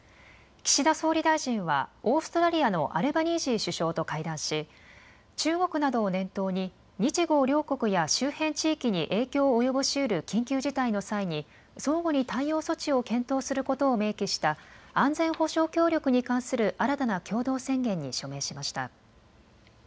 岸田総理大臣はオーストラリアのアルバニージー首相と会談し中国などを念頭に日豪両国や周辺地域に影響を及ぼしうる緊急事態の際に相互に対応措置を検討することを明記した安全保障協力に関する新たな共同宣言に署名しました。